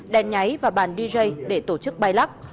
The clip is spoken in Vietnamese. đèn nháy và bàn dj để tổ chức bay lắc